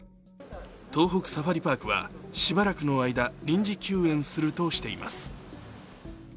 東北サファリパークはしばらくの間臨時休園するとしています。